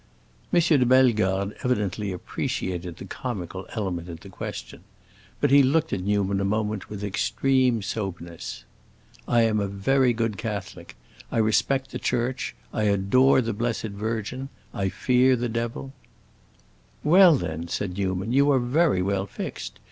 M. de Bellegarde evidently appreciated the comical element in the question, but he looked at Newman a moment with extreme soberness. "I am a very good Catholic. I respect the Church. I adore the blessed Virgin. I fear the Devil." "Well, then," said Newman, "you are very well fixed.